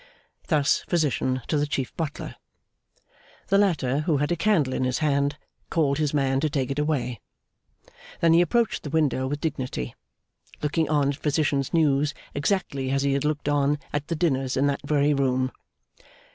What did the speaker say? Thus Physician to the Chief Butler. The latter, who had a candle in his hand, called his man to take it away. Then he approached the window with dignity; looking on at Physician's news exactly as he had looked on at the dinners in that very room.